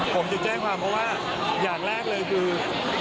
ผมจึงแจ้งความเพราะว่าอย่างแรกเลยคือ